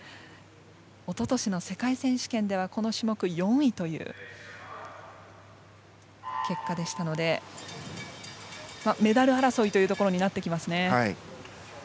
おととしの世界選手権ではこの種目４位という結果でしたのでメダル争いになってきますね。